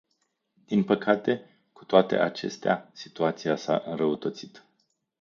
Din păcate, cu toate acestea, situația s-a înrăutățit.